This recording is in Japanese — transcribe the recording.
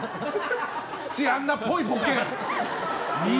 土屋アンナっぽいボケ！